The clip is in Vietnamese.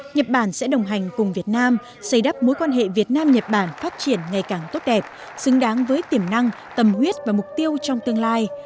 nhật bản sẽ đồng hành cùng việt nam xây đắp mối quan hệ việt nam nhật bản phát triển ngày càng tốt đẹp xứng đáng với tiềm năng tầm huyết và mục tiêu trong tương lai